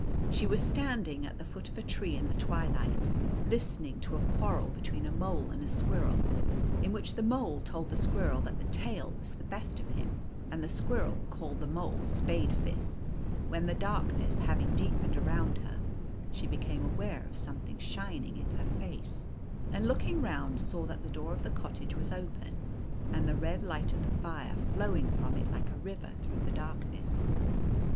She was standing at the foot of a tree in the twi light, listening to a quarrel between a mole and a The Golden Key 189 squirrel, in which the mole told the squirrel that the tail was the best of him, and the squirrel called the mole Spade fists, when, the darkness having deepened around her, she became aware of something shining in her face, and looking round, saw that the door of the cottage was open, and the red light of the fire flowing from it like a river through the darkness.